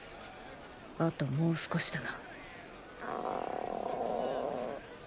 あともう少しだなん。